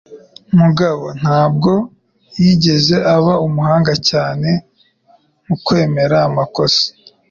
Mugabo ntabwo yigeze aba umuhanga cyane mu kwemera amakosa.